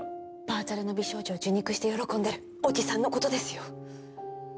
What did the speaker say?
バーチャルの美少女を受肉して喜んでるおじさんの事ですよ。